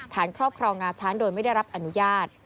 ครอบครองงาช้างโดยไม่ได้รับอนุญาต